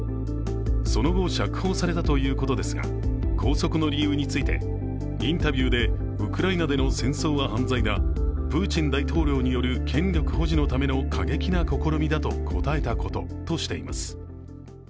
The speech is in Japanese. その後釈放されたということですが、拘束の理由について、インタビューでウクライナでの戦争は犯罪だ、プーチン大統領による権力保持のための過激な試みだと答えたこととしています。